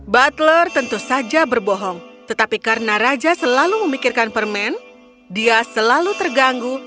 butler tentu saja berbohong tetapi karena raja selalu memikirkan permen dia selalu terganggu